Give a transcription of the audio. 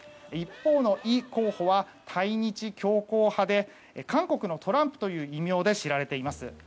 一方のイ候補は対日強硬派で韓国のトランプという異名で知られています。